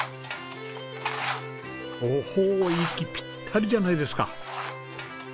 おお息ぴったりじゃないですか。